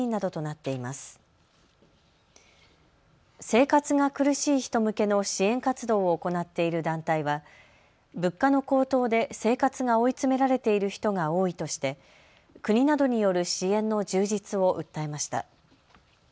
生活が苦しい人向けの支援活動を行っている団体は物価の高騰で生活が追い詰められている人が多いとして国などによる支援の充実を訴えました。